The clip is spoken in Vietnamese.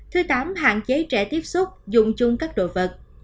thứ tám hạn chế trẻ tiếp xúc dùng chung các đồ vật